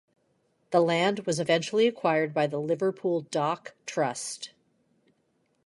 The land was eventually acquired by the Liverpool Dock Trust.